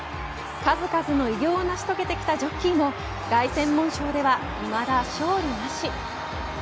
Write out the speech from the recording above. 数々の偉業を成し遂げてきたジョッキーも凱旋門賞では、いまだ勝利なし。